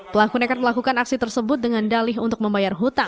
pelaku nekat melakukan aksi tersebut dengan dalih untuk membayar hutang